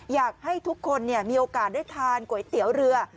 อยากให้ทุกคนมีโอกาสได้ทานก๋วยเตี๋ยวเรือ